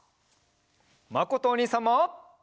まことおにいさんも！